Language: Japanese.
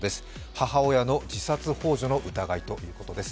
母親の自殺ほう助の疑いということです。